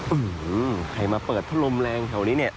อื้อหือใครมาเปิดถ้าลมแรงแถวนี้เนี่ย